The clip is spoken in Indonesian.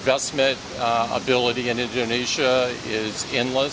pembangunan kemampuan di indonesia tidak berakhir